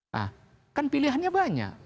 nah kan pilihannya banyak